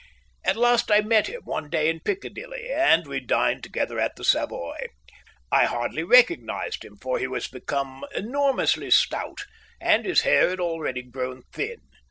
At last I met him one day in Piccadilly, and we dined together at the Savoy. I hardly recognized him, for he was become enormously stout, and his hair had already grown thin.